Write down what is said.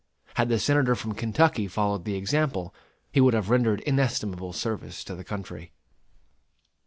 Had the Senator from Kentucky followed the example, he would have rendered inestimable service to the country....